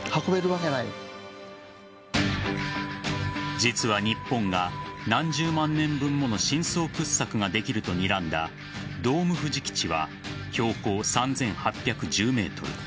実は日本が何十万年分もの深層掘削ができるとにらんだドームふじ基地は標高３８１０ｍ。